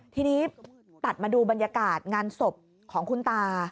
ทีนี้ตัดมาดูบรรยากาศงานศพของคุณตา